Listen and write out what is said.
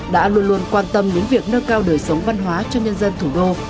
đã luôn luôn quan tâm đến việc nâng cao đời sống văn hóa cho nhân dân thủ đô